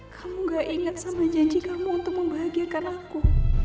kamu gak ingat sama janji kamu untuk membahagiakan aku